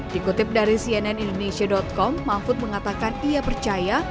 dikutip dari cnnindonesia com mahfud mengatakan ia percaya